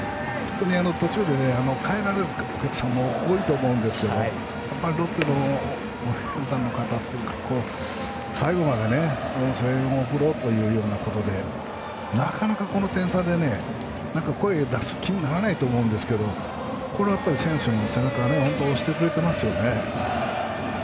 途中で帰られるお客さんも多いと思うんですけどロッテのファンの方って最後まで声援を送ろうということでなかなかこの点差で声を出す気にならないと思うんですけどこれは選手の背中を押してくれてますね。